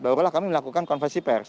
barulah kami melakukan konversi pers